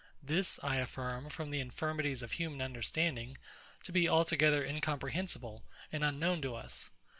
This, I affirm, from the infirmities of human understanding, to be altogether incomprehensible and unknown to us.